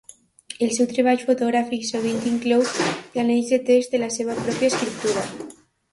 El seu treball fotogràfic sovint inclou panells de text de la seva pròpia escriptura.